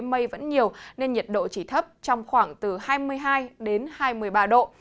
mây vẫn nhiều nên nhiệt độ chỉ thấp trong khoảng từ hai mươi hai đến hai mươi ba độ